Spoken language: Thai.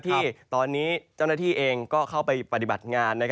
ที่ตอนนี้เจ้าหน้าที่เองก็เข้าไปปฏิบัติงาน